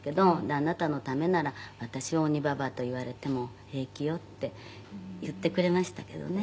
「“あなたのためなら私は鬼ババアと言われても平気よ”って言ってくれましたけどね」